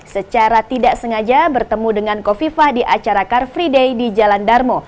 secara tidak sengaja bertemu dengan kofifah di acara car free day di jalan darmo